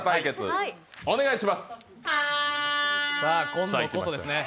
今度こそですね。